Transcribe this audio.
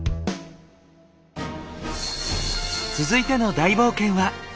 続いての大冒険は？